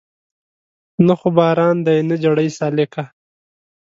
نه خو باران دی نه جړۍ سالکه